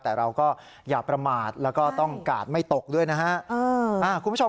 แต่เราก็อย่าประมาทแล้วก็ต้องกาดไม่ตกด้วยนะฮะ